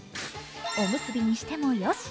おむすびにしても、よし。